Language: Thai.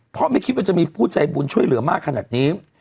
เพราะไม่คิดว่าจะมีผู้ใจบุญช่วยเหลือมากขนาดนี้